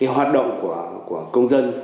hoạt động của công dân